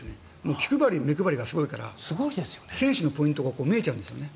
気配り、目配りがすごいから選手のポイントが見えちゃうんですよね。